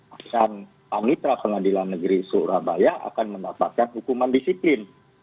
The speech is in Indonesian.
atasan anitra pengadilan negeri surabaya akan mendapatkan hukuman disiplin